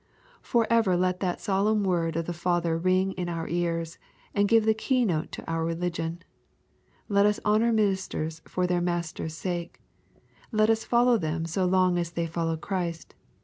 Forever let that solemn word of the Father ring in our ears, and give the key note to our religion. Let us honor ministers for their Master's sake. Let us follow them so long as they follow Christ.